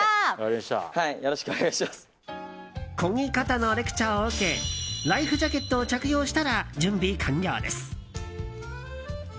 こぎ方のレクチャーを受けライフジャケットを着用したら準備完了です。